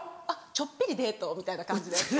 ちょっぴりデートみたいな感じです。